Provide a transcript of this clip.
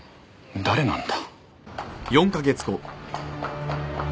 誰なんだ？